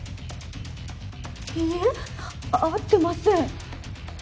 いいえ会ってません。